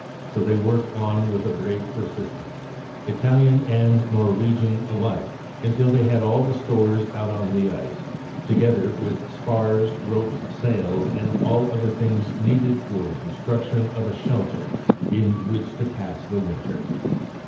So they worked on with a brave persistence, Italian and Norwegian alike, until they had all the stores out on the ice, together with spars, ropes, sails, and all other things needed for the construction of a shelter in which to pass the winter.